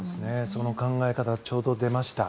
その考え方ちょうど出ました。